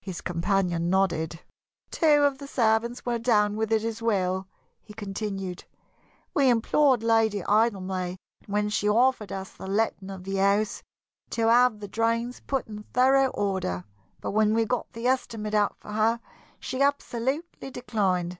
His companion nodded. "Two of the servants were down with it as well," he continued. "We implored Lady Idlemay, when she offered us the letting of the house, to have the drains put in thorough order, but when we got the estimate out for her she absolutely declined.